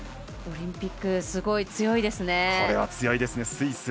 オリンピックすごい強いですね。